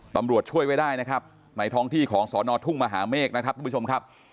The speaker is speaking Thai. ตำรวจช่วยไว้ได้นะครับในท้องที่ของสอนอทุ่งมหาเมฆนะครับทุกผู้ชมครับ